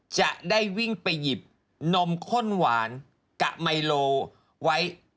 จะได้วิ่งไปหยิบนมข้นหวานกะไมโลไว้